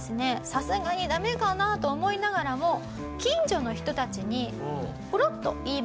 さすがにダメかなと思いながらも近所の人たちにポロッと言います。